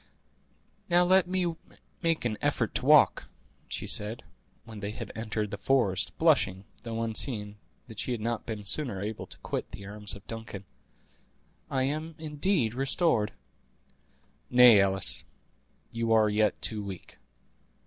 "Now let me make an effort to walk," she said, when they had entered the forest, blushing, though unseen, that she had not been sooner able to quit the arms of Duncan; "I am indeed restored." "Nay, Alice, you are yet too weak."